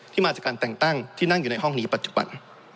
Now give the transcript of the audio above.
มาจากการแต่งตั้งที่นั่งอยู่ในห้องนี้ปัจจุบัน